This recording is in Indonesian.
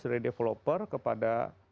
dari developer kepada